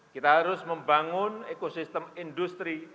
kita harus membangun ekosistem industri